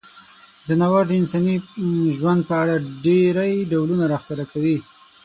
ځناور د انساني ژوند په اړه ډیری ډولونه راښکاره کوي.